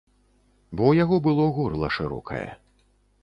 Бо ў яго было горла шырокае.